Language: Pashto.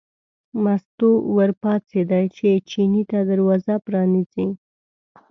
مستو ور پاڅېده چې چیني ته دروازه پرانیزي.